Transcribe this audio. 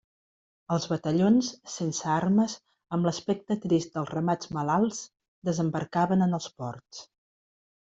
Els batallons, sense armes, amb l'aspecte trist dels ramats malalts, desembarcaven en els ports.